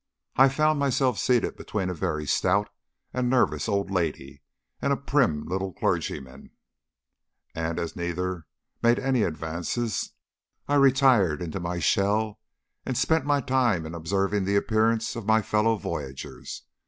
I found myself seated between a very stout and nervous old lady and a prim little clergyman; and as neither made any advances I retired into my shell, and spent my time in observing the appearance of my fellow voyagers.